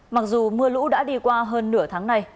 mặc dù mưa lũ đã đi qua hơn nửa tháng nay